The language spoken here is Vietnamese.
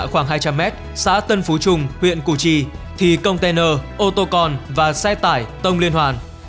khoảng hai trăm linh m xã tân phú trung huyện củ trì thì container ô tô con và xe tải tông liên hoàn